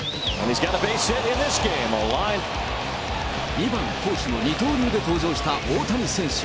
２番投手の二刀流で登場した大谷選手。